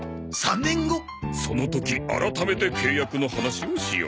その時改めて契約の話をしよう。